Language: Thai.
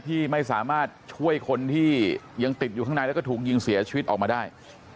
ที่ไม่สามารถช่วยคนที่ยังติดอยู่ข้างในแล้วก็ถูกยิงเสียชีวิตออกมาได้